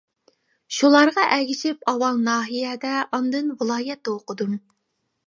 شۇلارغا ئەگىشىپ ئاۋۋال ناھىيەدە ئاندىن ۋىلايەتتە ئوقۇدۇم.